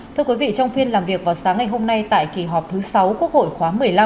thưa quý vị trong phiên làm việc vào sáng ngày hôm nay tại kỳ họp thứ sáu quốc hội khóa một mươi năm